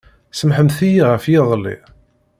Samḥemt-iyi ɣef yiḍelli.